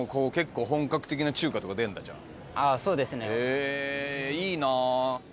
へぇいいな。